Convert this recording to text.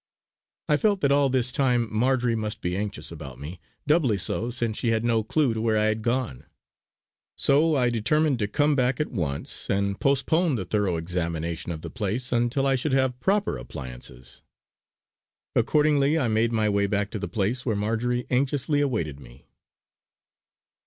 I felt that all this time Marjory must be anxious about me, doubly so since she had no clue to where I had gone. So I determined to come back at once, and postpone the thorough examination of the place until I should have proper appliances. Accordingly I made my way back to the place where Marjory anxiously awaited me.